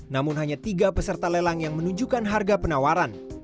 namun hanya tiga peserta lelang yang menunjukkan harga penawaran